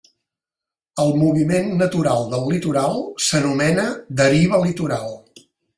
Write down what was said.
El moviment natural del litoral s'anomena deriva litoral.